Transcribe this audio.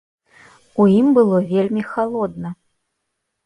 У ім было вельмі халодна.